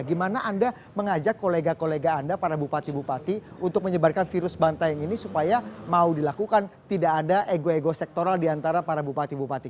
gimana anda mengajak kolega kolega anda para bupati bupati untuk menyebarkan virus banteng ini supaya mau dilakukan tidak ada ego ego sektoral diantara para bupati bupati